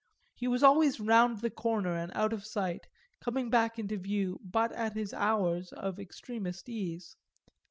He was always round the corner and out of sight, coming back into view but at his hours of extremest ease.